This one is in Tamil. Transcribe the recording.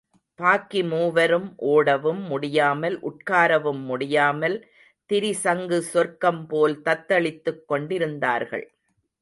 பாக்கி மூவரும் ஓடவும் முடியாமல் உட்காரவும் முடியாமல் திரிசங்கு சொர்க்கம்போல் தத்தளித்துக் கொண்டிருந்தார்கள்.